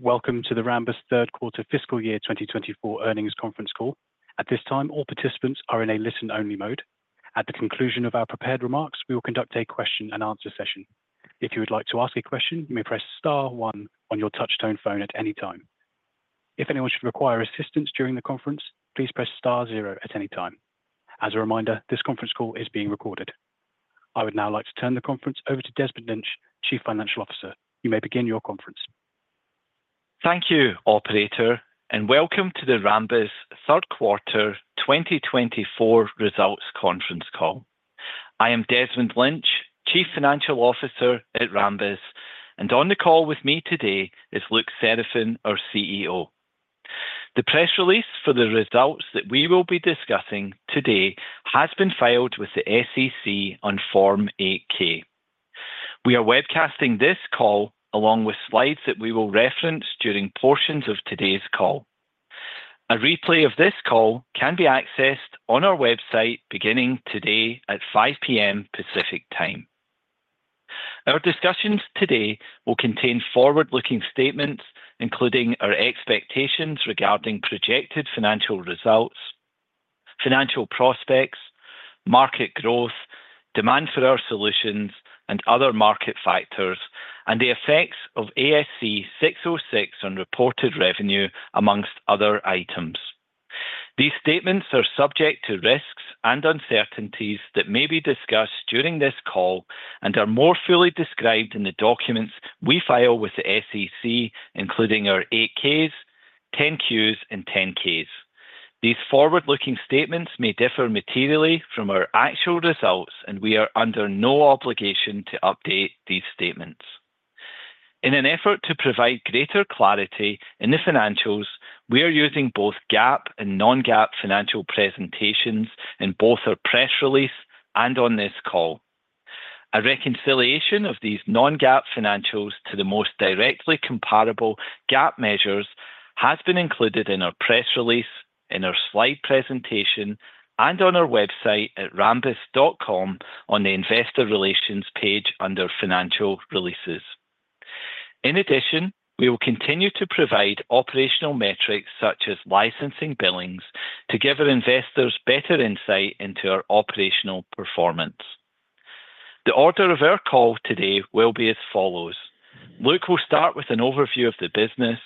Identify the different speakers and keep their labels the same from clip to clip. Speaker 1: Welcome to the Rambus third quarter fiscal year twenty twenty-four earnings conference call. At this time, all participants are in a listen-only mode. At the conclusion of our prepared remarks, we will conduct a question-and-answer session. If you would like to ask a question, you may press star one on your touchtone phone at any time. If anyone should require assistance during the conference, please press star zero at any time. As a reminder, this conference call is being recorded. I would now like to turn the conference over to Desmond Lynch, Chief Financial Officer. You may begin your conference.
Speaker 2: Thank you, operator, and welcome to the Rambus third quarter 2024 results conference call. I am Desmond Lynch, Chief Financial Officer at Rambus, and on the call with me today is Luc Seraphin, our CEO. The press release for the results that we will be discussing today has been filed with the SEC on Form 8-K. We are webcasting this call along with slides that we will reference during portions of today's call. A replay of this call can be accessed on our website beginning today at 5:00 P.M. Pacific Time. Our discussions today will contain forward-looking statements, including our expectations regarding projected financial results, financial prospects, market growth, demand for our solutions and other market factors, and the effects of ASC 606 on reported revenue, amongst other items. These statements are subject to risks and uncertainties that may be discussed during this call and are more fully described in the documents we file with the SEC, including our 8-Ks, 10-Qs, and 10-Ks. These forward-looking statements may differ materially from our actual results, and we are under no obligation to update these statements. In an effort to provide greater clarity in the financials, we are using both GAAP and non-GAAP financial presentations in both our press release and on this call. A reconciliation of these non-GAAP financials to the most directly comparable GAAP measures has been included in our press release, in our slide presentation, and on our website at rambus.com on the Investor Relations page under Financial Releases. In addition, we will continue to provide operational metrics such as licensing billings to give our investors better insight into our operational performance. The order of our call today will be as follows: Luc will start with an overview of the business,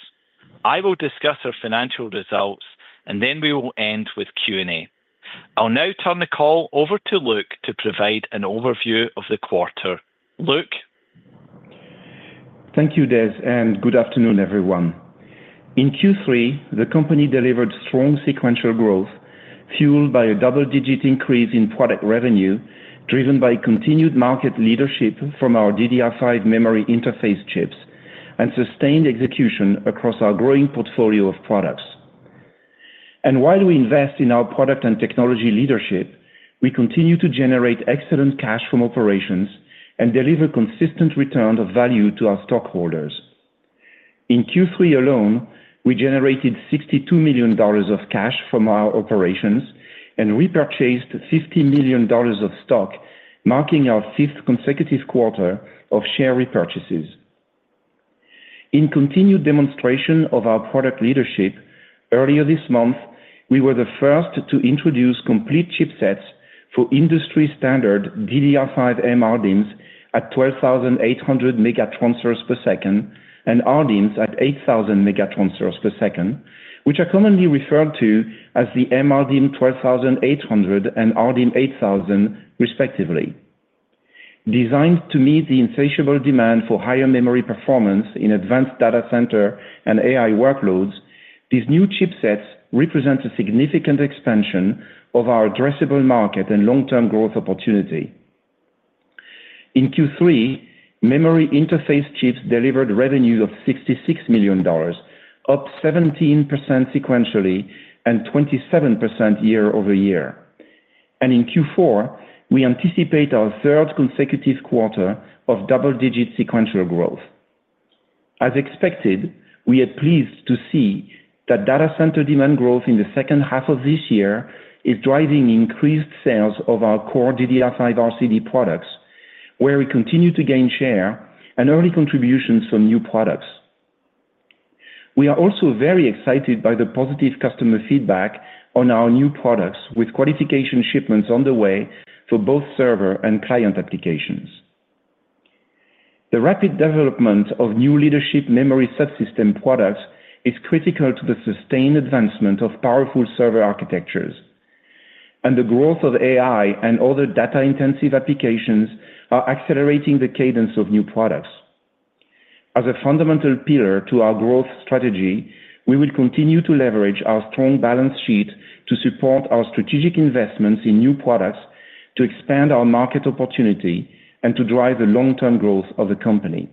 Speaker 2: I will discuss our financial results, and then we will end with Q&A. I'll now turn the call over to Luc to provide an overview of the quarter. Luc?
Speaker 3: Thank you, Des, and good afternoon, everyone. In Q3, the company delivered strong sequential growth, fueled by a double-digit increase in product revenue, driven by continued market leadership from our DDR5 memory interface chips and sustained execution across our growing portfolio of products, and while we invest in our product and technology leadership, we continue to generate excellent cash from operations and deliver consistent return of value to our stockholders. In Q3 alone, we generated $62 million of cash from our operations and repurchased $50 million of stock, marking our fifth consecutive quarter of share repurchases. In continued demonstration of our product leadership, earlier this month, we were the first to introduce complete chipsets for industry-standard DDR5 MRDIMMs at 12,800 megatransfers per second and RDIMMs at 8,000 megatransfers per second, which are commonly referred to as the MRDIMM 12,800 and RDIMM 8,000, respectively. Designed to meet the insatiable demand for higher memory performance in advanced data center and AI workloads, these new chipsets represent a significant expansion of our addressable market and long-term growth opportunity. In Q3, memory interface chips delivered revenue of $66 million, up 17% sequentially and 27% year over year. And in Q4, we anticipate our third consecutive quarter of double-digit sequential growth. As expected, we are pleased to see that data center demand growth in the second half of this year is driving increased sales of our core DDR5 RCD products, where we continue to gain share and early contributions from new products. We are also very excited by the positive customer feedback on our new products, with qualification shipments on the way for both server and client applications. The rapid development of new leadership memory subsystem products is critical to the sustained advancement of powerful server architectures, and the growth of AI and other data-intensive applications are accelerating the cadence of new products. As a fundamental pillar to our growth strategy, we will continue to leverage our strong balance sheet to support our strategic investments in new products, to expand our market opportunity and to drive the long-term growth of the company.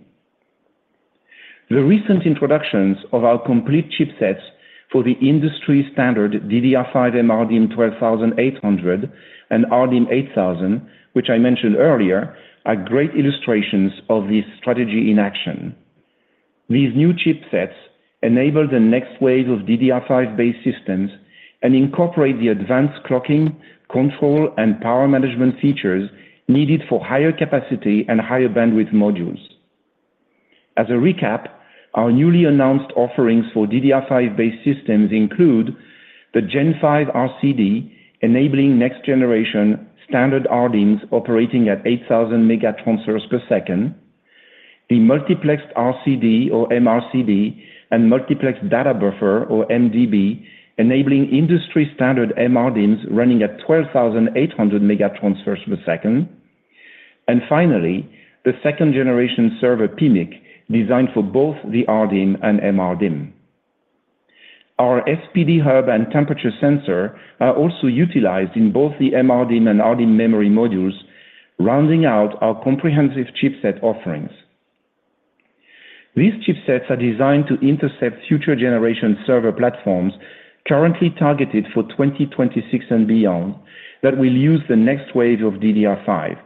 Speaker 3: The recent introductions of our complete chipsets for the industry standard DDR5 MRDIMM 12,800 and RDIMM 8,000, which I mentioned earlier, are great illustrations of this strategy in action. These new chipsets enable the next wave of DDR5-based systems and incorporate the advanced clocking, control, and power management features needed for higher capacity and higher bandwidth modules. As a recap, our newly announced offerings for DDR5-based systems include the Gen 5 RCD, enabling next-generation standard RDIMMs operating at 8,000 megatransfers per second, the multiplexed RCD or MRCD, and multiplexed data buffer or MDB, enabling industry-standard MRDIMMs running at 12,800 megatransfers per second, and finally, the second-generation server PMIC, designed for both the RDIMM and MRDIMM. Our SPD hub and temperature sensor are also utilized in both the MRDIMM and RDIMM memory modules, rounding out our comprehensive chipset offerings. These chipsets are designed to intercept future generation server platforms currently targeted for 2026 and beyond that will use the next wave of DDR5.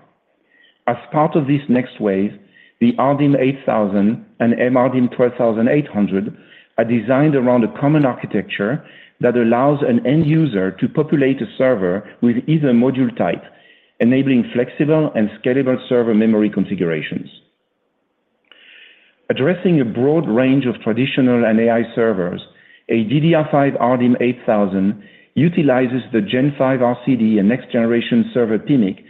Speaker 3: As part of this next wave, the RDIMM 8000 and MRDIMM 12800 are designed around a common architecture that allows an end user to populate a server with either module type, enabling flexible and scalable server memory configurations. Addressing a broad range of traditional and AI servers, a DDR5 RDIMM 8000 utilizes the Gen 5 RCD and next-generation server PMIC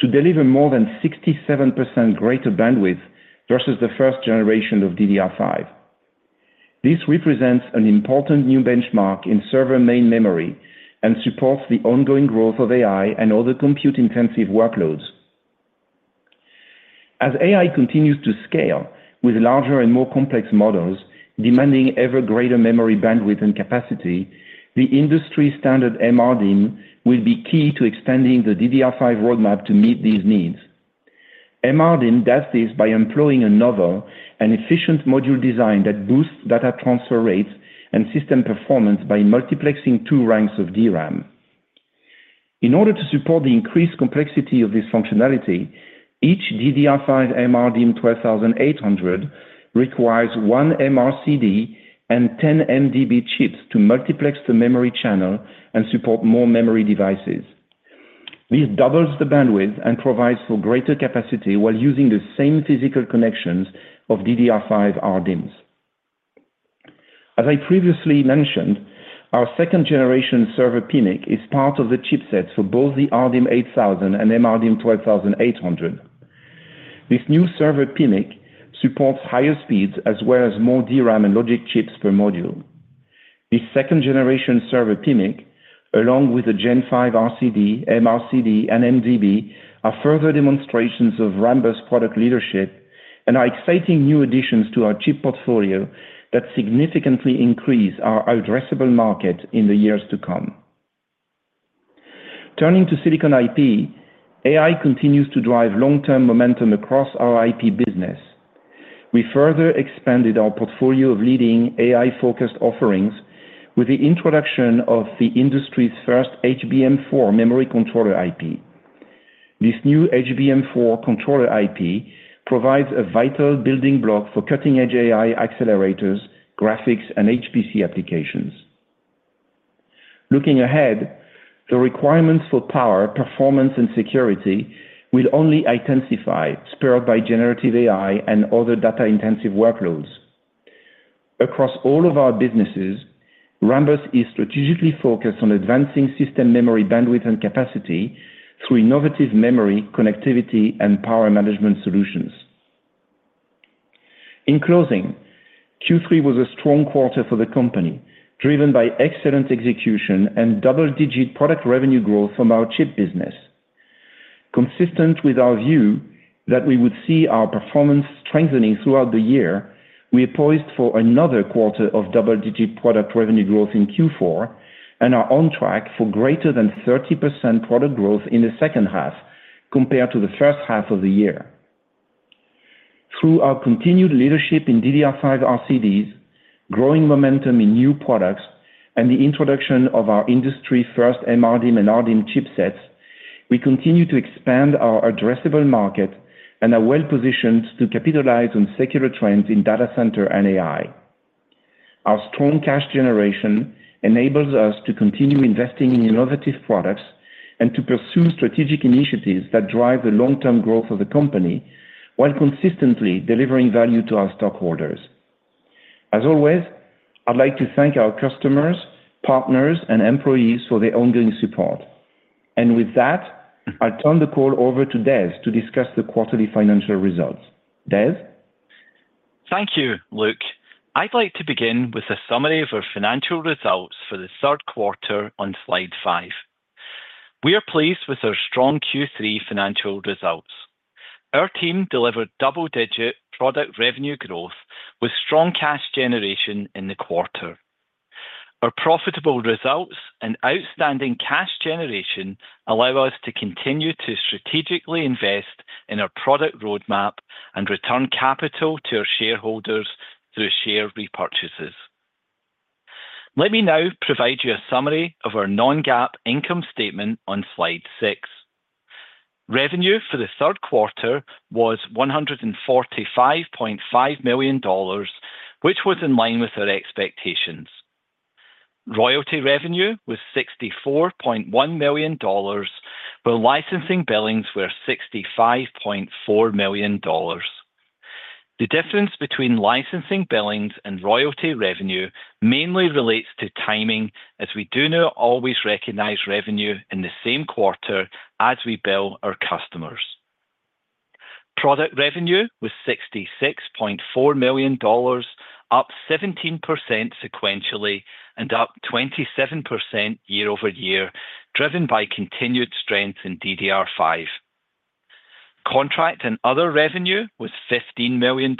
Speaker 3: to deliver more than 67% greater bandwidth versus the first generation of DDR5. This represents an important new benchmark in server main memory and supports the ongoing growth of AI and other compute-intensive workloads. As AI continues to scale with larger and more complex models demanding ever greater memory, bandwidth, and capacity, the industry-standard MRDIMM will be key to extending the DDR5 roadmap to meet these needs. MRDIMM does this by employing a novel and efficient module design that boosts data transfer rates and system performance by multiplexing two ranks of DRAM. In order to support the increased complexity of this functionality, each DDR5 MRDIMM 12,800 requires one MRCD and 10 MDB chips to multiplex the memory channel and support more memory devices. This doubles the bandwidth and provides for greater capacity while using the same physical connections of DDR5 RDIMMs. As I previously mentioned, our second-generation server PMIC is part of the chipset for both the RDIMM 8,000 and MRDIMM 12,800. This new server PMIC supports higher speeds as well as more DRAM and logic chips per module. This second-generation server PMIC, along with the Gen 5 RCD, MRCD, and MDB, are further demonstrations of Rambus product leadership and are exciting new additions to our chip portfolio that significantly increase our addressable market in the years to come. Turning to Silicon IP, AI continues to drive long-term momentum across our IP business. We further expanded our portfolio of leading AI-focused offerings with the introduction of the industry's first HBM4 Controller IP. This new HBM4 Controller IP provides a vital building block for cutting-edge AI accelerators, graphics, and HPC applications. Looking ahead, the requirements for power, performance, and security will only intensify, spurred by generative AI and other data-intensive workloads. Across all of our businesses, Rambus is strategically focused on advancing system memory, bandwidth, and capacity through innovative memory, connectivity, and power management solutions. In closing, Q3 was a strong quarter for the company, driven by excellent execution and double-digit product revenue growth from our chip business. Consistent with our view that we would see our performance strengthening throughout the year, we are poised for another quarter of double-digit product revenue growth in Q4 and are on track for greater than 30% product growth in the second half compared to the first half of the year. Through our continued leadership in DDR5 RCDs, growing momentum in new products, and the introduction of our industry-first MRDIMM and RDIMM chipsets, we continue to expand our addressable market and are well positioned to capitalize on secular trends in data center and AI. Our strong cash generation enables us to continue investing in innovative products and to pursue strategic initiatives that drive the long-term growth of the company while consistently delivering value to our stockholders. As always, I'd like to thank our customers, partners, and employees for their ongoing support. And with that, I'll turn the call over to Des to discuss the quarterly financial results. Des?
Speaker 2: Thank you, Luc. I'd like to begin with a summary of our financial results for the third quarter on slide five. We are pleased with our strong Q3 financial results. Our team delivered double-digit product revenue growth with strong cash generation in the quarter. Our profitable results and outstanding cash generation allow us to continue to strategically invest in our product roadmap and return capital to our shareholders through share repurchases. Let me now provide you a summary of our non-GAAP income statement on slide six. Revenue for the third quarter was $145.5 million, which was in line with our expectations. Royalty revenue was $64.1 million, while licensing billings were $65.4 million. The difference between licensing billings and royalty revenue mainly relates to timing, as we do not always recognize revenue in the same quarter as we bill our customers. Product revenue was $66.4 million, up 17% sequentially and up 27% year over year, driven by continued strength in DDR5. Contract and other revenue was $15 million,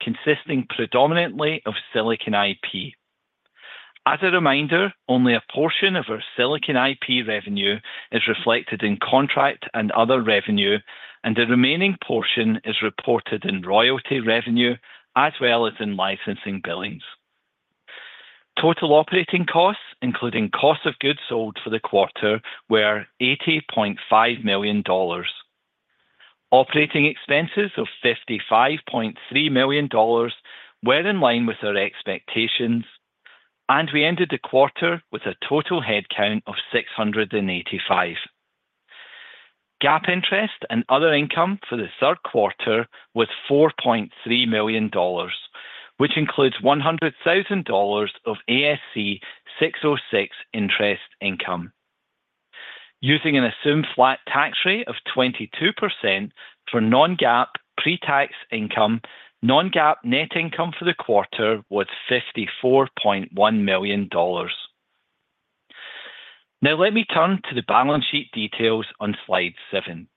Speaker 2: consisting predominantly of Silicon IP. As a reminder, only a portion of our Silicon IP revenue is reflected in contract and other revenue, and the remaining portion is reported in royalty revenue as well as in licensing billings. Total operating costs, including cost of goods sold for the quarter, were $80.5 million. Operating expenses of $55.3 million were in line with our expectations, and we ended the quarter with a total headcount of 685. GAAP interest and other income for the third quarter was $4.3 million, which includes $100,000 of ASC 606 interest income. Using an assumed flat tax rate of 22% for non-GAAP pre-tax income, non-GAAP net income for the quarter was $54.1 million. Now, let me turn to the balance sheet details on slide 7.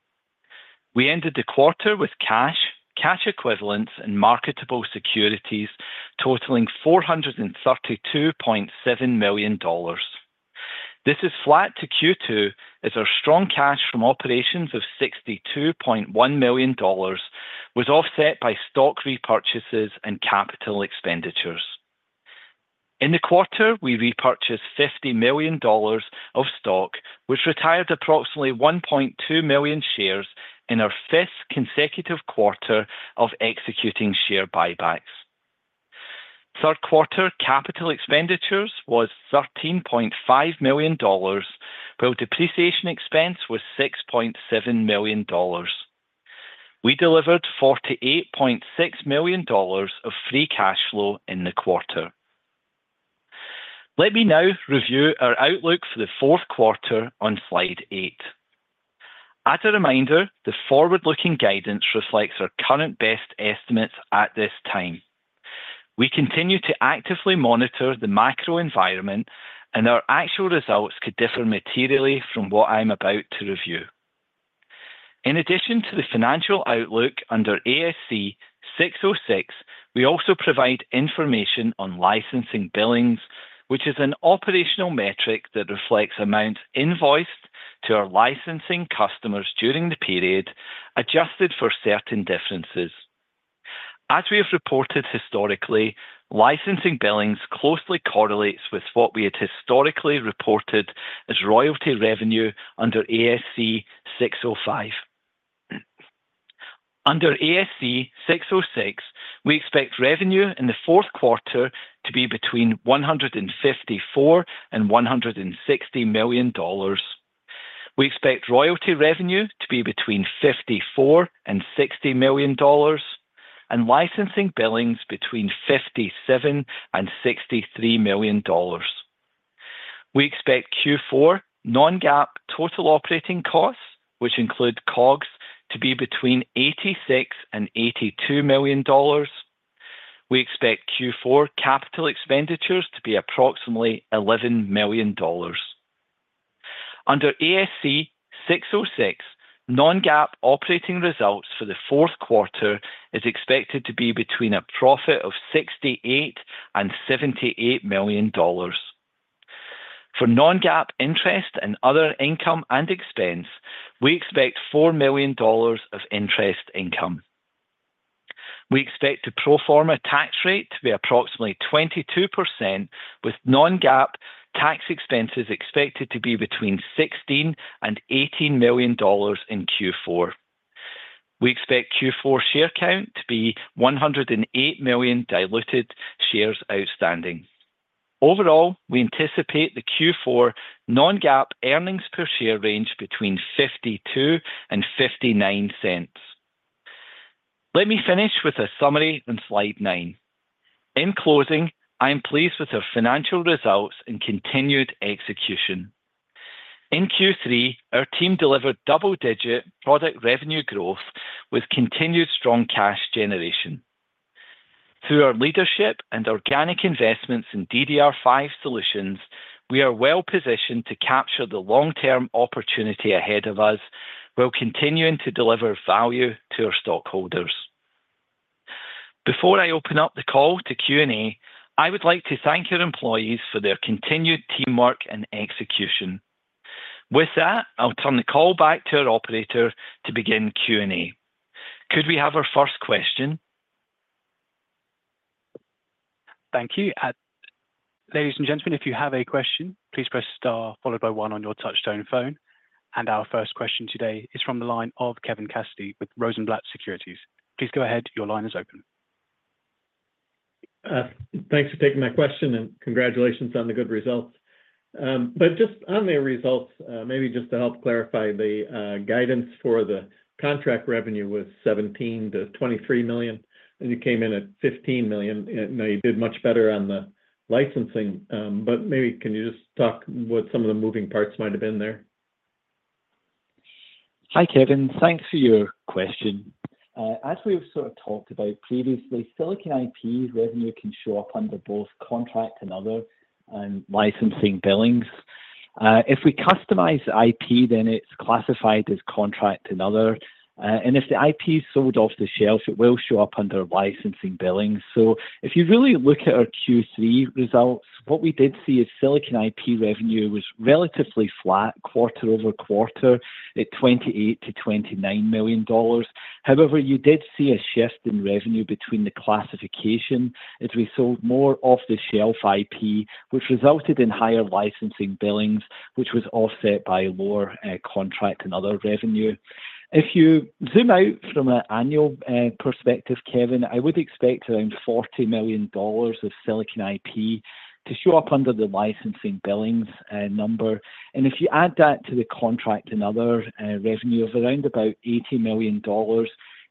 Speaker 2: We ended the quarter with cash, cash equivalents, and marketable securities totaling $432.7 million. This is flat to Q2, as our strong cash from operations of $62.1 million was offset by stock repurchases and capital expenditures. In the quarter, we repurchased $50 million of stock, which retired approximately 1.2 million shares in our fifth consecutive quarter of executing share buybacks. Third quarter capital expenditures was $13.5 million, while depreciation expense was $6.7 million. We delivered $48.6 million of free cash flow in the quarter. Let me now review our outlook for the fourth quarter on slide 8. As a reminder, the forward-looking guidance reflects our current best estimates at this time. We continue to actively monitor the macro environment, and our actual results could differ materially from what I'm about to review. In addition to the financial outlook under ASC 606, we also provide information on licensing billings, which is an operational metric that reflects amounts invoiced to our licensing customers during the period, adjusted for certain differences. As we have reported historically, licensing billings closely correlates with what we had historically reported as royalty revenue under ASC 605. Under ASC 606, we expect revenue in the fourth quarter to be between $154 and $160 million. We expect royalty revenue to be between $54 and $60 million, and licensing billings between $57 and $63 million. We expect Q4 non-GAAP total operating costs, which include COGS, to be between $86 and $82 million. We expect Q4 capital expenditures to be approximately $11 million. Under ASC 606, non-GAAP operating results for the fourth quarter is expected to be between a profit of $68 and $78 million. For non-GAAP interest and other income and expense, we expect $4 million of interest income. We expect the pro forma tax rate to be approximately 22%, with non-GAAP tax expenses expected to be between $16 and $18 million in Q4. We expect Q4 share count to be 108 million diluted shares outstanding. Overall, we anticipate the Q4 non-GAAP earnings per share range between $0.52 and $0.59. Let me finish with a summary on slide nine. In closing, I'm pleased with our financial results and continued execution. In Q3, our team delivered double-digit product revenue growth with continued strong cash generation. Through our leadership and organic investments in DDR5 solutions, we are well-positioned to capture the long-term opportunity ahead of us, while continuing to deliver value to our stockholders. Before I open up the call to Q&A, I would like to thank our employees for their continued teamwork and execution. With that, I'll turn the call back to our operator to begin Q&A. Could we have our first question? ...
Speaker 1: Thank you. And ladies and gentlemen, if you have a question, please press star followed by one on your touchtone phone. And our first question today is from the line of Kevin Cassidy with Rosenblatt Securities. Please go ahead. Your line is open.
Speaker 4: Thanks for taking my question, and congratulations on the good results. But just on the results, maybe just to help clarify the guidance for the contract revenue was $17 million-$23 million, and you came in at $15 million. And I know you did much better on the licensing, but maybe can you just talk what some of the moving parts might have been there?
Speaker 2: Hi, Kevin. Thanks for your question. As we've sort of talked about previously, Silicon IP's revenue can show up under both contract and other, and licensing billings. If we customize the IP, then it's classified as contract and other. And if the IP is sold off the shelf, it will show up under licensing billings. So if you really look at our Q3 results, what we did see is Silicon IP revenue was relatively flat quarter over quarter, at $28 million-$29 million. However, you did see a shift in revenue between the classification as we sold more off-the-shelf IP, which resulted in higher licensing billings, which was offset by lower contract and other revenue. If you zoom out from an annual perspective, Kevin, I would expect around $40 million of Silicon IP to show up under the licensing billings number. And if you add that to the contract and other revenue of around about $80 million,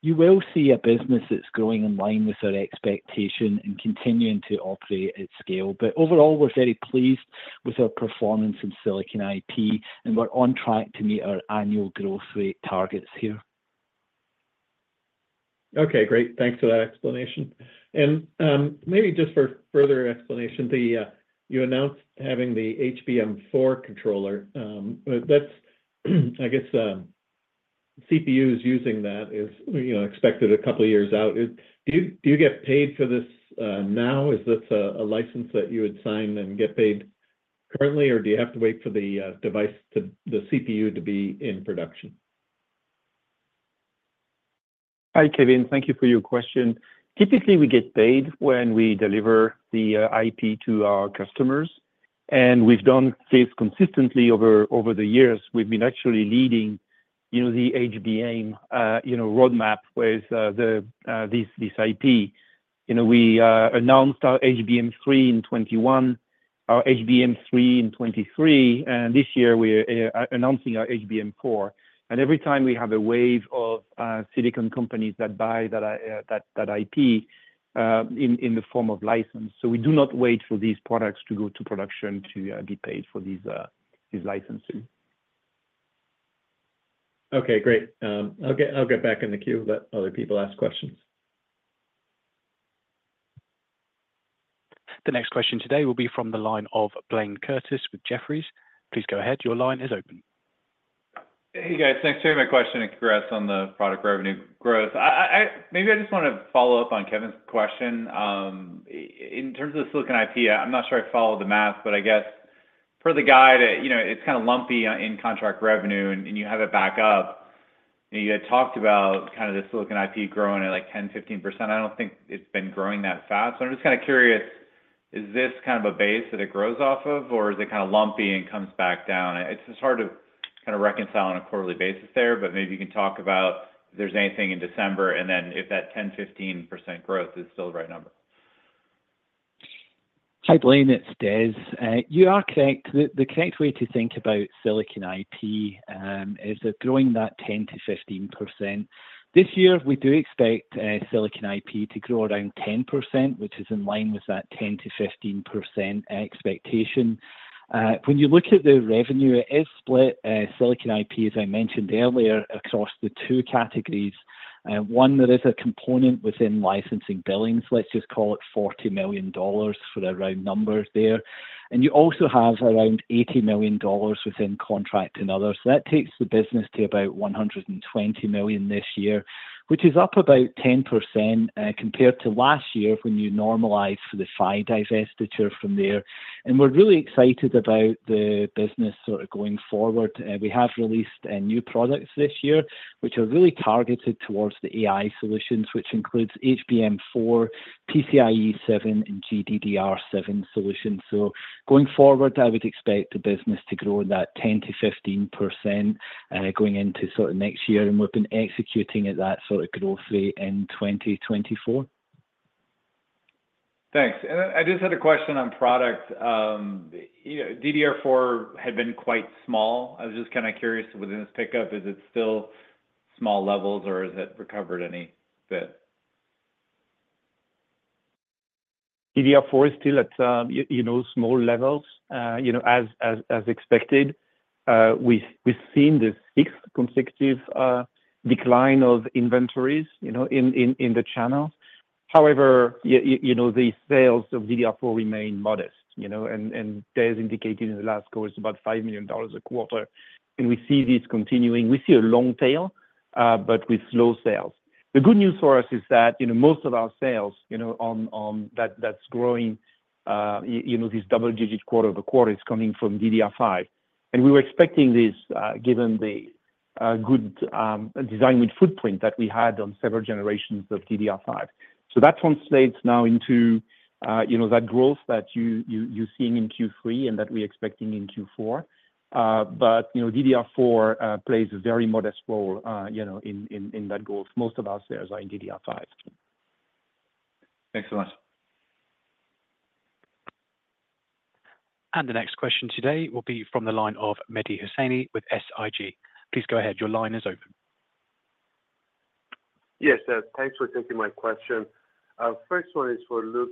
Speaker 2: you will see a business that's growing in line with our expectation and continuing to operate at scale. But overall, we're very pleased with our performance in Silicon IP, and we're on track to meet our annual growth rate targets here.
Speaker 4: Okay, great. Thanks for that explanation, and maybe just for further explanation, you announced having the HBM4 controller. But that's, I guess, CPUs using that is, you know, expected a couple of years out. Do you get paid for this now? Is this a license that you would sign and get paid currently, or do you have to wait for the device to the CPU to be in production?
Speaker 3: Hi, Kevin. Thank you for your question. Typically, we get paid when we deliver the IP to our customers, and we've done this consistently over the years. We've been actually leading, you know, the HBM, you know, roadmap with this IP. You know, we announced our HBM3 in 2021, our HBM3 in 2023, and this year we are announcing our HBM4. And every time we have a wave of silicon companies that buy that IP in the form of license. So we do not wait for these products to go to production to get paid for these licensing.
Speaker 4: Okay, great. I'll get back in the queue, let other people ask questions.
Speaker 1: The next question today will be from the line of Blaine Curtis with Jefferies. Please go ahead. Your line is open.
Speaker 5: Hey, guys. Thanks for taking my question and congrats on the product revenue growth. Maybe I just wanna follow up on Kevin's question. In terms of the Silicon IP, I'm not sure I followed the math, but I guess for the guide, you know, it's kinda lumpy in contract revenue, and you have it back up. And you had talked about kind of the Silicon IP growing at, like, 10%-15%. I don't think it's been growing that fast. So I'm just kinda curious, is this kind of a base that it grows off of, or is it kinda lumpy and comes back down? It's just hard to kinda reconcile on a quarterly basis there, but maybe you can talk about if there's anything in December, and then if that 10%-15% growth is still the right number.
Speaker 2: Hi, Blaine, it's Des. You are correct. The correct way to think about Silicon IP is that growing that 10%-15%. This year, we do expect Silicon IP to grow around 10%, which is in line with that 10%-15% expectation. When you look at the revenue, it is split, Silicon IP, as I mentioned earlier, across the two categories. One, there is a component within licensing billings, let's just call it $40 million for the round numbers there, and you also have around $80 million within contract and others, so that takes the business to about $120 million this year, which is up about 10% compared to last year, when you normalize for the PHY divestiture from there, and we're really excited about the business sorta going forward. We have released new products this year, which are really targeted towards the AI solutions, which includes HBM4, PCIe 7, and GDDR7 solutions. So going forward, I would expect the business to grow that 10%-15%, going into sort of next year, and we've been executing at that sort of growth rate in 2024.
Speaker 5: Thanks, and I just had a question on product. DDR4 had been quite small. I was just kinda curious within this pickup. Is it still small levels, or has it recovered any bit?
Speaker 3: DDR4 is still at, you know, small levels, you know, as expected. We've seen the sixth consecutive decline of inventories, you know, in the channel. However, you know, the sales of DDR4 remain modest, you know, and Des indicated in the last quarter, it's about $5 million a quarter, and we see this continuing. We see a long tail, but with slow sales. The good news for us is that, you know, most of our sales, you know, that's growing, you know, this double-digit quarter over quarter is coming from DDR5. We were expecting this, given the good design win footprint that we had on several generations of DDR5. So that translates now into, you know, that growth that you're seeing in Q3 and that we're expecting in Q4. But, you know, DDR4 plays a very modest role, you know, in that growth. Most of our sales are in DDR5.
Speaker 5: Thanks so much.
Speaker 1: The next question today will be from the line of Mehdi Hosseini with SIG. Please go ahead. Your line is open.
Speaker 6: Yes, thanks for taking my question. First one is for Luc.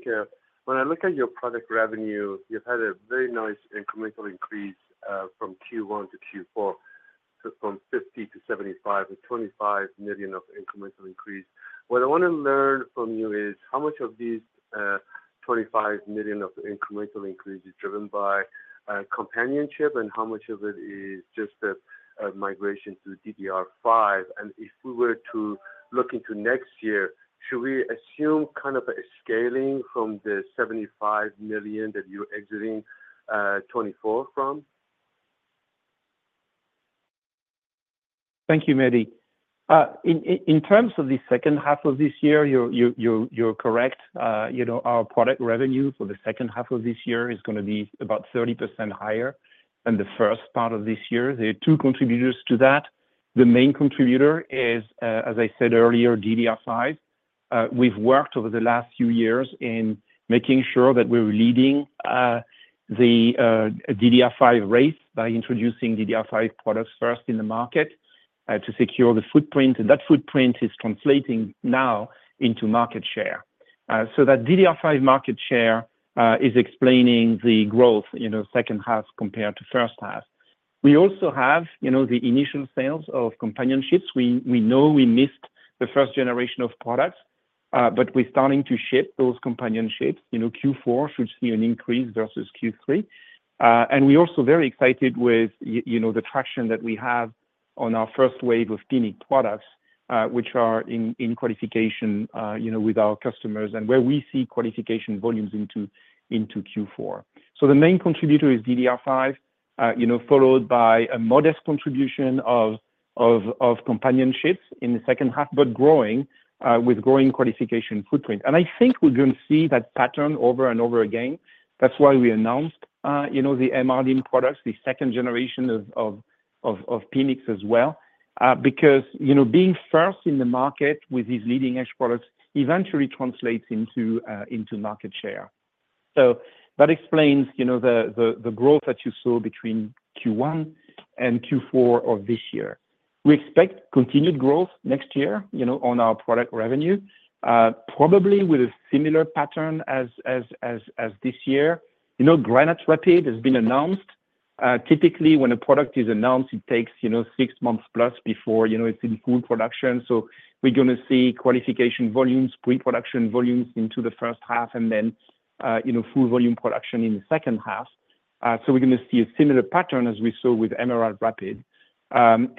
Speaker 6: When I look at your product revenue, you've had a very nice incremental increase from Q1 to Q4, so from $50 million to $75 million, and $25 million of incremental increase. What I want to learn from you is, how much of these $25 million of incremental increase is driven by CXL, and how much of it is just a migration to DDR5? And if we were to look into next year, should we assume kind of a scaling from the $75 million that you're exiting 2024 from?
Speaker 3: Thank you, Mehdi. In terms of the second half of this year, you're correct. You know, our product revenue for the second half of this year is gonna be about 30% higher than the first part of this year. There are two contributors to that. The main contributor is, as I said earlier, DDR5. We've worked over the last few years in making sure that we're leading the DDR5 race by introducing DDR5 products first in the market to secure the footprint, and that footprint is translating now into market share. So that DDR5 market share is explaining the growth, you know, second half compared to first half. We also have, you know, the initial sales of companion chips. We know we missed the first generation of products, but we're starting to ship those shipments. You know, Q4 should see an increase versus Q3. And we're also very excited with you know, the traction that we have on our first wave of Phoenix products, which are in qualification, you know, with our customers and where we see qualification volumes into Q4. So the main contributor is DDR5, you know, followed by a modest contribution of shipments in the second half, but growing, with growing qualification footprint. And I think we're going to see that pattern over and over again. That's why we announced, you know, the MRDIMM products, the second generation of PMICs as well. Because, you know, being first in the market with these leading-edge products eventually translates into market share. So that explains, you know, the growth that you saw between Q1 and Q4 of this year. We expect continued growth next year, you know, on our product revenue, probably with a similar pattern as this year. You know, Granite Rapids has been announced. Typically, when a product is announced, it takes, you know, six months plus before, you know, it's in full production. So we're gonna see qualification volumes, pre-production volumes into the first half and then, you know, full volume production in the second half. So we're gonna see a similar pattern as we saw with Emerald Rapids. You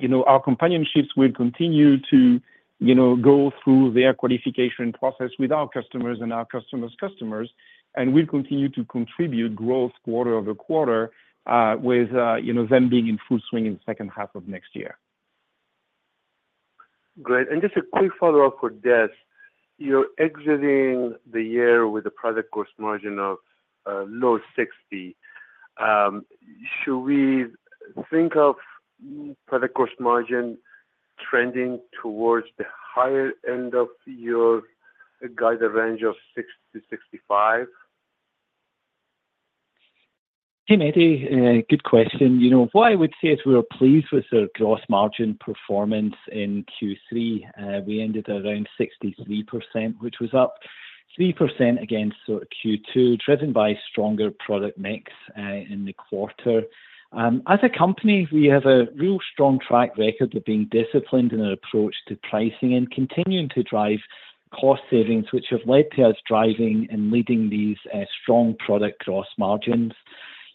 Speaker 3: know, our components will continue to, you know, go through their qualification process with our customers and our customers' customers, and we'll continue to contribute growth quarter over quarter, with, you know, them being in full swing in the second half of next year.
Speaker 6: Great. And just a quick follow-up for Des. You're exiting the year with a product cost margin of low 60%. Should we think of product cost margin trending towards the higher end of your guided range of 60%-65%?
Speaker 2: Hey, Mehdi, good question. You know, what I would say is we are pleased with the gross margin performance in Q3. We ended around 63%, which was up 3% against Q2, driven by stronger product mix in the quarter. As a company, we have a real strong track record of being disciplined in our approach to pricing and continuing to drive cost savings, which have led to us driving and leading these strong product gross margins.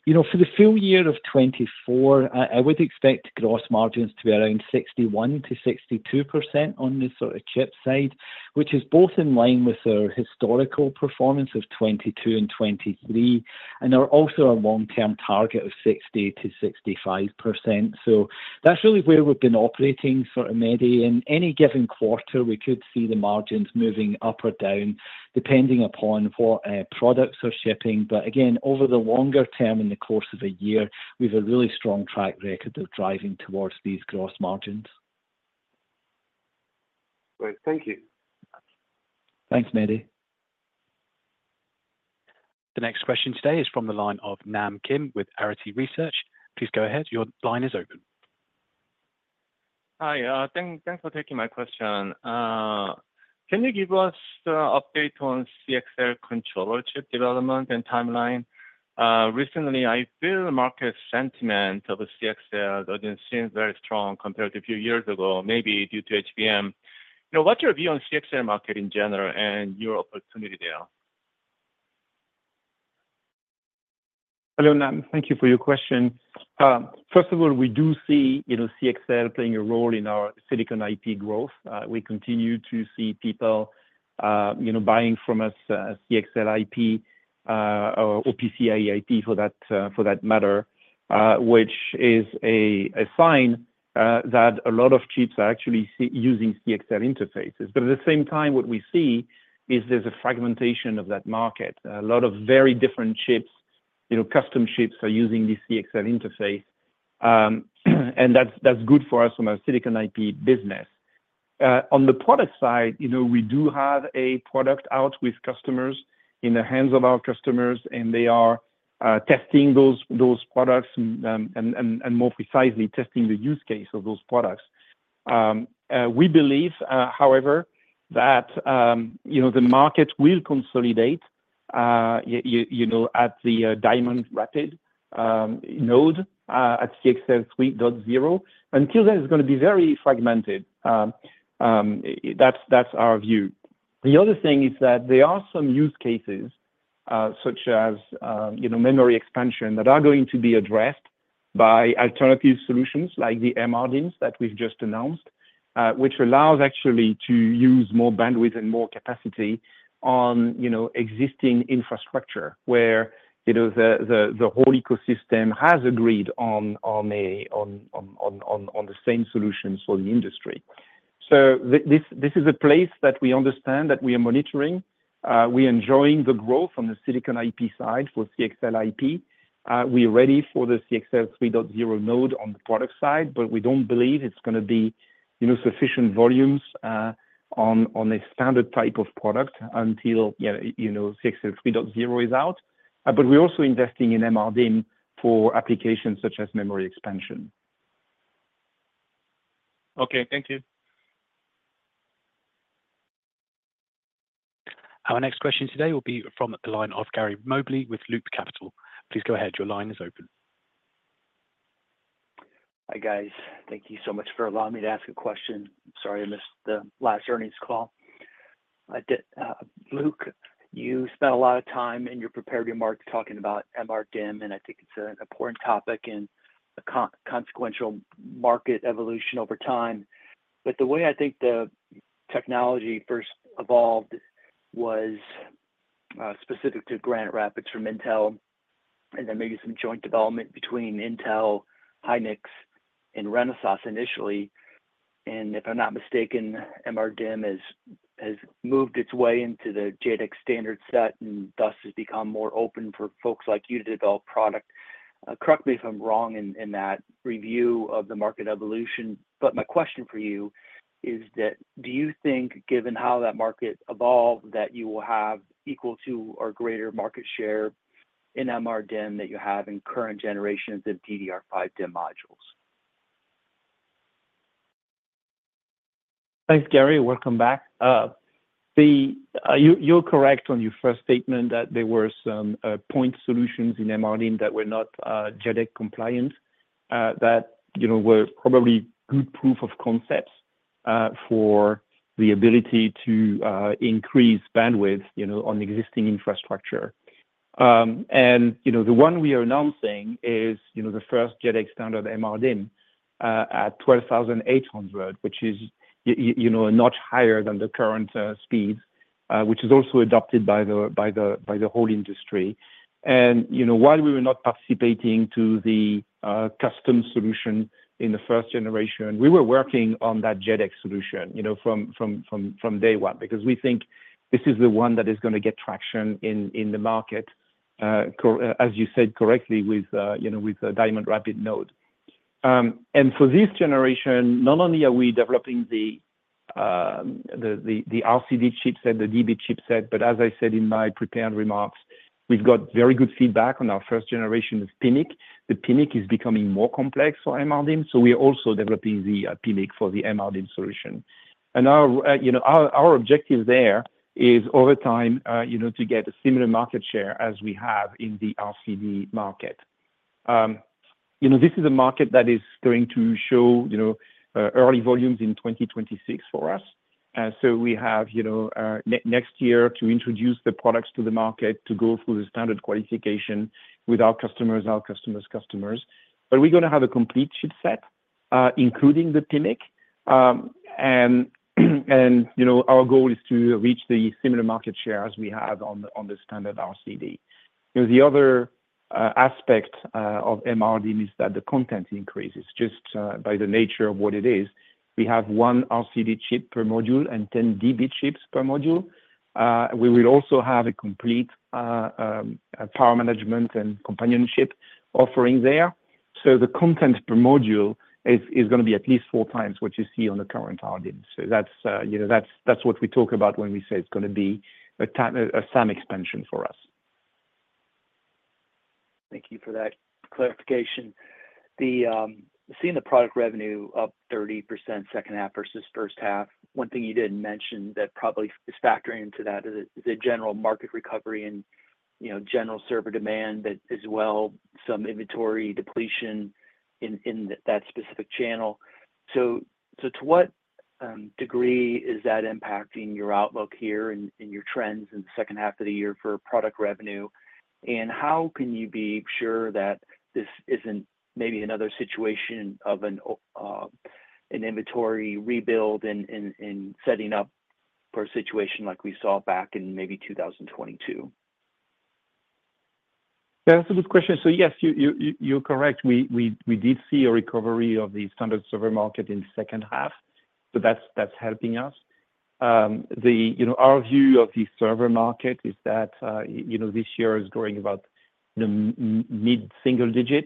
Speaker 2: You know, for the full year of 2024, I would expect gross margins to be around 61%-62% on the sort of chip side, which is both in line with our historical performance of 2022 and 2023, and are also our long-term target of 60%-65%. So that's really where we've been operating for Mehdi. In any given quarter, we could see the margins moving up or down, depending upon what products are shipping. But again, over the longer term, in the course of a year, we have a really strong track record of driving towards these gross margins.
Speaker 6: Great. Thank you.
Speaker 2: Thanks, Mehdi.
Speaker 1: The next question today is from the line of Nam Kim with Arete Research. Please go ahead. Your line is open.
Speaker 7: Hi, thanks for taking my question. Can you give us a update on CXL controller chip development and timeline? Recently, I feel the market sentiment of a CXL doesn't seem very strong compared to a few years ago, maybe due to HBM. You know, what's your view on CXL market in general and your opportunity there?...
Speaker 3: Hello, Nam, thank you for your question. First of all, we do see, you know, CXL playing a role in our silicon IP growth. We continue to see people, you know, buying from us, CXL IP, or PCIe IP for that, for that matter, which is a sign that a lot of chips are actually using CXL interfaces. But at the same time, what we see is there's a fragmentation of that market. A lot of very different chips, you know, custom chips are using the CXL interface, and that's good for us from a silicon IP business. On the product side, you know, we do have a product out with customers, in the hands of our customers, and they are testing those products and more precisely, testing the use case of those products. We believe, however, that, you know, the market will consolidate, you know, at the Diamond Rapids node, at CXL 3.0. Until then, it's gonna be very fragmented. That's our view. The other thing is that there are some use cases, such as, you know, memory expansion, that are going to be addressed by alternative solutions like the MRDIMMs that we've just announced, which allows actually to use more bandwidth and more capacity on, you know, existing infrastructure, where, you know, the whole ecosystem has agreed on the same solutions for the industry. So this is a place that we understand, that we are monitoring. We're enjoying the growth on the silicon IP side for CXL IP. We're ready for the CXL 3.0 node on the product side, but we don't believe it's gonna be, you know, sufficient volumes, on a standard type of product until, yeah, you know, CXL 3.0 is out. But we're also investing in MRDIMM for applications such as memory expansion.
Speaker 7: Okay, thank you.
Speaker 1: Our next question today will be from the line of Gary Mobley with Loop Capital. Please go ahead. Your line is open.
Speaker 8: Hi, guys. Thank you so much for allowing me to ask a question. Sorry, I missed the last earnings call. Luc, you spent a lot of time in your prepared remarks talking about MRDIMM, and I think it's an important topic and a consequential market evolution over time. But the way I think the technology first evolved was specific to Granite Rapids from Intel, and then maybe some joint development between Intel, Hynix, and Renesas initially. And if I'm not mistaken, MRDIMM has moved its way into the JEDEC standard set, and thus has become more open for folks like you to develop product. Correct me if I'm wrong in that review of the market evolution, but my question for you is, do you think, given how that market evolved, that you will have equal to or greater market share in MRDIMM than you have in current generations of DDR5 DIMM modules?
Speaker 3: Thanks, Gary. Welcome back. You're correct on your first statement that there were some point solutions in mRDIMM that were not JEDEC compliant, that you know, were probably good proof of concepts for the ability to increase bandwidth, you know, on existing infrastructure. And you know, the one we are announcing is you know, the first JEDEC standard MRDIMM at 12,800, which is you know, a notch higher than the current speeds, which is also adopted by the whole industry. You know, while we were not participating to the custom solution in the first generation, we were working on that JEDEC solution, you know, from day one, because we think this is the one that is gonna get traction in the market, as you said correctly, with you know, with the Diamond Rapids node. For this generation, not only are we developing the MRCD chipset, the MDB chipset, but as I said in my prepared remarks, we have got very good feedback on our first generation of PMIC. The PMIC is becoming more complex for MRDIMM, so we are also developing the PMIC for the MRDIMM solution. Our you know, our objective there is, over time, you know, to get a similar market share as we have in the RCD market. You know, this is a market that is going to show, you know, early volumes in 2026 for us. So we have, you know, next year to introduce the products to the market, to go through the standard qualification with our customers and our customers' customers. But we're gonna have a complete chipset, including the PMIC. And, you know, our goal is to reach the similar market share as we have on the standard RCD. You know, the other aspect of MRDIMM is that the content increases, just, by the nature of what it is. We have one RCD chip per module and 10 DB chips per module. We will also have a complete power management and companion offering there. So the content per module is gonna be at least four times what you see on the current RDIMM. So that's, you know, that's what we talk about when we say it's gonna be a SAM expansion for us.
Speaker 8: Thank you for that clarification. Seeing the product revenue up 30% second half versus first half, one thing you didn't mention that probably is factoring into that is the general market recovery and, you know, general server demand, but as well, some inventory depletion in that specific channel. So to what degree is that impacting your outlook here and your trends in the second half of the year for product revenue? And how can you be sure that this isn't maybe another situation of an inventory rebuild and setting up for a situation like we saw back in maybe two thousand and twenty-two?
Speaker 3: That's a good question. So yes, you're correct. We did see a recovery of the standard server market in the second half, so that's helping us. You know, our view of the server market is that, you know, this year is growing about the mid single digit.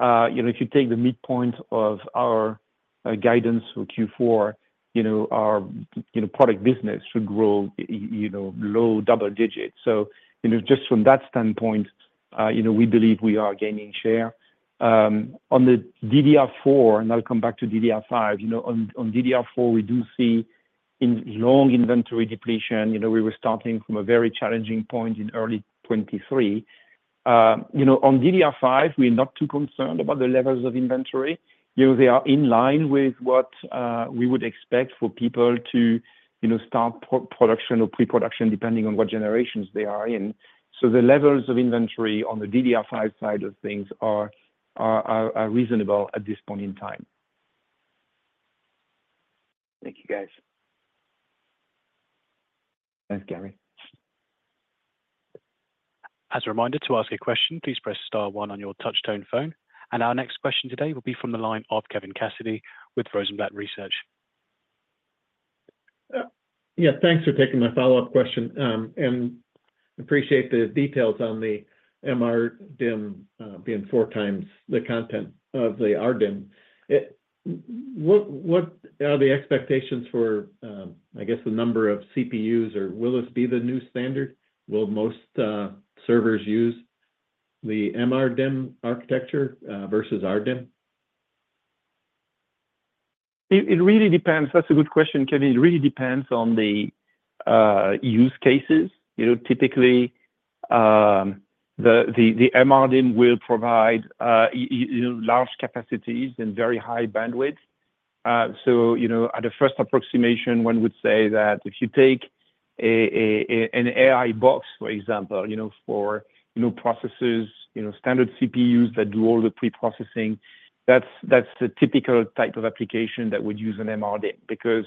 Speaker 3: You know, if you take the midpoint of our guidance for Q4, you know, our product business should grow, you know, low double digits. So, you know, just from that standpoint, you know, we believe we are gaining share. On the DDR4, and I'll come back to DDR5, you know, on DDR4, we do see ongoing inventory depletion. You know, we were starting from a very challenging point in early 2023. You know, on DDR5, we're not too concerned about the levels of inventory. You know, they are in line with what we would expect for people to, you know, start production or pre-production, depending on what generations they are in. So the levels of inventory on the DDR5 side of things are reasonable at this point in time.
Speaker 8: Thank you, guys.
Speaker 2: Thanks, Gary.
Speaker 1: As a reminder, to ask a question, please press star one on your touchtone phone, and our next question today will be from the line of Kevin Cassidy with Rosenblatt Securities.
Speaker 4: Yeah, thanks for taking my follow-up question and appreciate the details on the MRDIMM being four times the content of the RDIMM. What are the expectations for, I guess, the number of CPUs, or will this be the new standard? Will most servers use the MRDIMM architecture versus RDIMM?
Speaker 3: It really depends. That's a good question, Kevin. It really depends on the use cases. You know, typically, the MRDIMM will provide, you know, large capacities and very high bandwidth. So, you know, at a first approximation, one would say that if you take an AI box, for example, you know, for new processes, you know, standard CPUs that do all the pre-processing, that's the typical type of application that would use an MRDIMM. Because,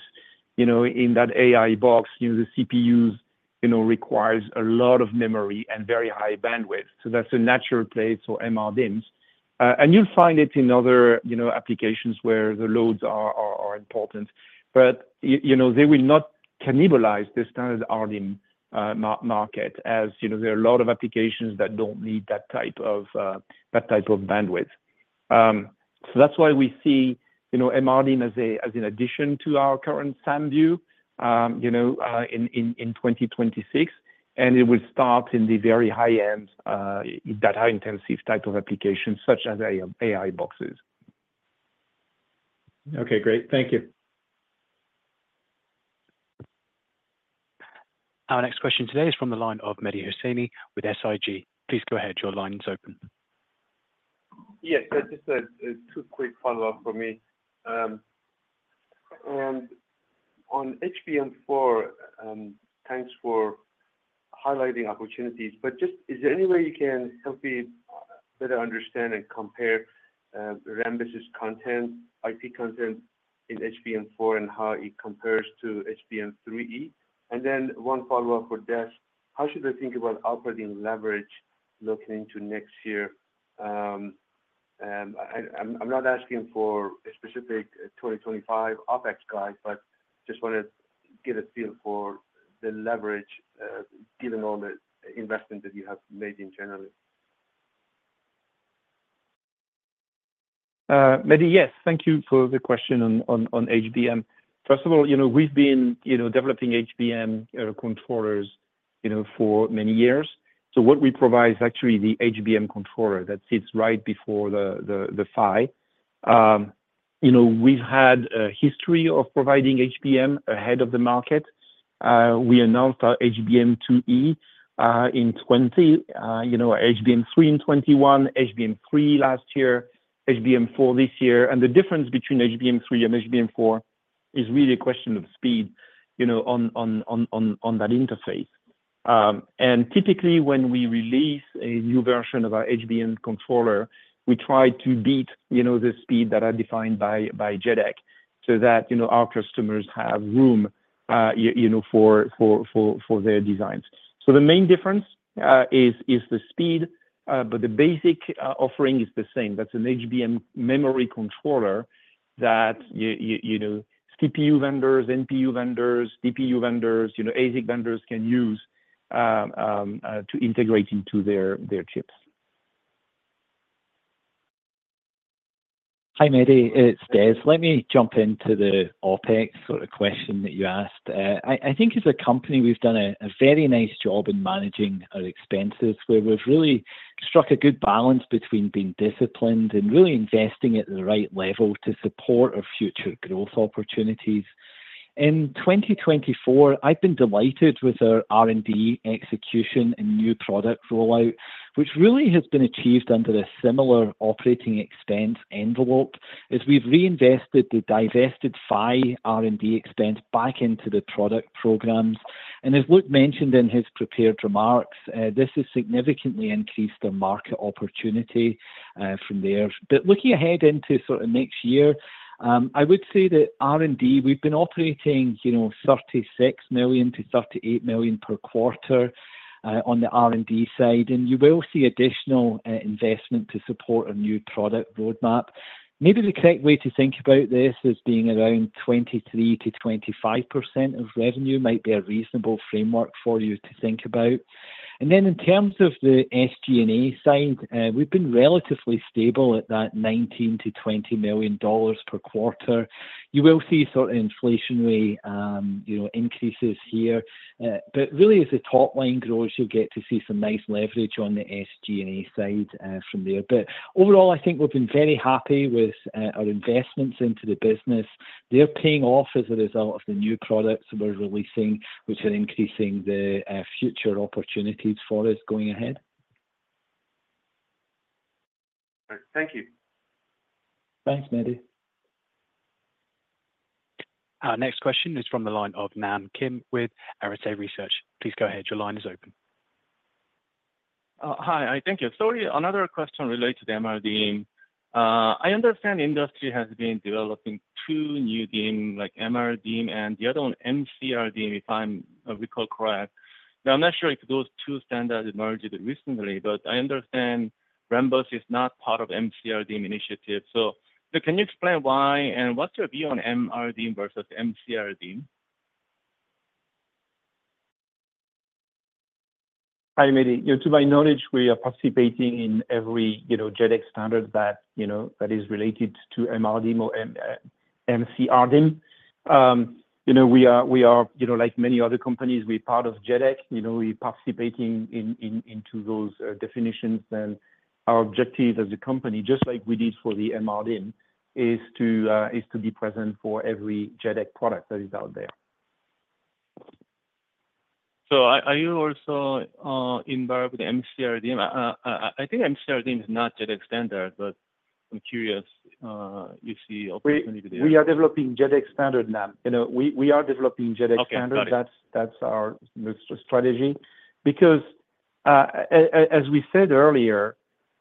Speaker 3: you know, in that AI box, you know, the CPUs, you know, requires a lot of memory and very high bandwidth, so that's a natural place for MRDIMMs. And you'll find it in other, you know, applications where the loads are important. But you know, they will not cannibalize the standard RDIMM market, as you know, there are a lot of applications that don't need that type of bandwidth. So that's why we see, you know, mRDIMM as an addition to our current standard view, you know, in 2026, and it will start in the very high-end, data-intensive type of applications, such as AI, AI boxes.
Speaker 4: Okay, great. Thank you.
Speaker 1: Our next question today is from the line of Mehdi Hosseini with SIG. Please go ahead. Your line is open.
Speaker 6: Yes, just two quick follow-up for me. And on HBM4, thanks for highlighting opportunities, but just, is there any way you can help me better understand and compare, Rambus's content, IP content in HBM4 and how it compares to HBM3E? And then one follow-up for Des: How should I think about operating leverage looking into next year? And I'm not asking for a specific twenty twenty-five OpEx guide, but just wanna get a feel for the leverage, given all the investment that you have made in general.
Speaker 3: Mehdi, yes. Thank you for the question on HBM. First of all, you know, we've been, you know, developing HBM controllers, you know, for many years. So what we provide is actually the HBM controller that sits right before the PHY. You know, we've had a history of providing HBM ahead of the market. We announced our HBM2E in 2020, you know, HBM3 in 2021, HBM3 last year, HBM4 this year, and the difference between HBM3 and HBM4 is really a question of speed, you know, on that interface. And typically, when we release a new version of our HBM controller, we try to beat, you know, the speed that are defined by JEDEC, so that, you know, our customers have room, you know, for their designs. So the main difference is the speed, but the basic offering is the same. That's an HBM memory controller that you know, CPU vendors, NPU vendors, DPU vendors, you know, ASIC vendors can use to integrate into their chips.
Speaker 2: Hi, Mehdi, it's Des. Let me jump into the OpEx sort of question that you asked. I think as a company, we've done a very nice job in managing our expenses, where we've really struck a good balance between being disciplined and really investing at the right level to support our future growth opportunities. In twenty twenty-four, I've been delighted with our R&D execution and new product rollout, which really has been achieved under a similar operating expense envelope, as we've reinvested the divested R&D expense back into the product programs, and as Luc mentioned in his prepared remarks, this has significantly increased the market opportunity from there. But looking ahead into sort of next year, I would say that R&D, we've been operating, you know, $36 million-$38 million per quarter, on the R&D side, and you will see additional, investment to support a new product roadmap. Maybe the correct way to think about this is being around 23%-25% of revenue might be a reasonable framework for you to think about. And then in terms of the SG&A side, we've been relatively stable at that $19 million-$20 million per quarter. You will see certain inflationary, you know, increases here, but really, as the top line grows, you'll get to see some nice leverage on the SG&A side, from there. But overall, I think we've been very happy with, our investments into the business. They're paying off as a result of the new products we're releasing, which are increasing the future opportunities for us going ahead.
Speaker 6: Thank you.
Speaker 2: Thanks, Manny.
Speaker 1: Our next question is from the line of Nam Kim with Arete Research. Please go ahead. Your line is open.
Speaker 7: Hi, thank you. So another question related to the MRDIMM. I understand industry has been developing two new DIM, like MRDIMM and the other one, MCRDIMM, if I'm recall correct. Now, I'm not sure if those two standards emerged recently, but I understand Rambus is not part of MCRDIMM initiative. So can you explain why, and what's your view on MRDIMM versus MCRDIMM?
Speaker 3: Hi, Manny. To my knowledge, we are participating in every, you know, JEDEC standard that, you know, that is related to mRDIMM or MCRDIMM. You know, we are, you know, like many other companies, we're part of JEDEC. You know, we're participating into those definitions, and our objective as a company, just like we did for the mRDIMM, is to be present for every JEDEC product that is out there.
Speaker 7: So are you also involved with the MCRDIMM? I think MCRDIMM is not JEDEC standard, but I'm curious, you see opportunity there.
Speaker 3: We are developing JEDEC standard, Nam. You know, we are developing JEDEC standard.
Speaker 7: Okay, got it.
Speaker 3: That's our strategy. Because as we said earlier,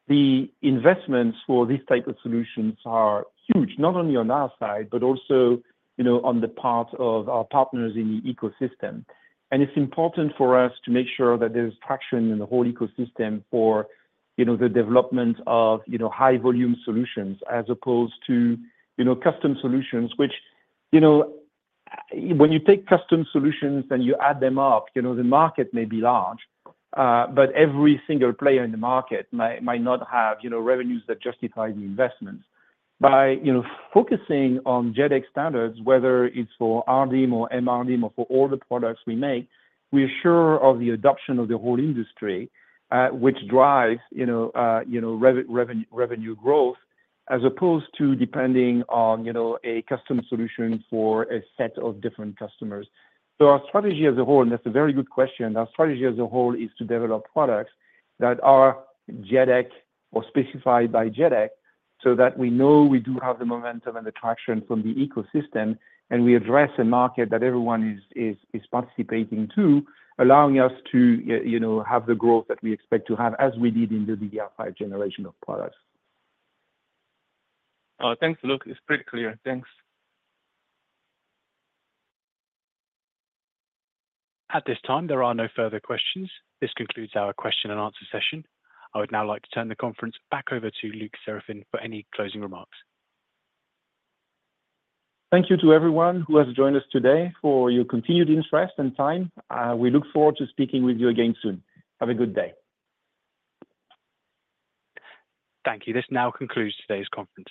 Speaker 3: the investments for these type of solutions are huge, not only on our side, but also, you know, on the part of our partners in the ecosystem. And it's important for us to make sure that there is traction in the whole ecosystem for, you know, the development of, you know, high volume solutions as opposed to, you know, custom solutions, which, you know, when you take custom solutions and you add them up, you know, the market may be large, but every single player in the market might not have, you know, revenues that justify the investments. By, you know, focusing on JEDEC standards, whether it's for RDIMM or MRDIMM or for all the products we make, we're sure of the adoption of the whole industry, which drives, you know, revenue growth, as opposed to depending on, you know, a custom solution for a set of different customers. So our strategy as a whole, and that's a very good question, our strategy as a whole is to develop products that are JEDEC or specified by JEDEC, so that we know we do have the momentum and the traction from the ecosystem, and we address a market that everyone is participating to, allowing us to, you know, have the growth that we expect to have as we did in the DDR5 generation of products.
Speaker 7: Thanks, Luc. It's pretty clear. Thanks.
Speaker 1: At this time, there are no further questions. This concludes our question-and-answer session. I would now like to turn the conference back over to Luc Seraphin for any closing remarks.
Speaker 3: Thank you to everyone who has joined us today for your continued interest and time. We look forward to speaking with you again soon. Have a good day.
Speaker 1: Thank you. This now concludes today's conference.